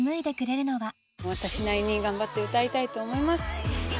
私なりに頑張って歌いたいと思います。